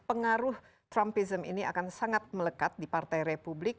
pengaruh trumpism ini akan sangat melekat di partai republik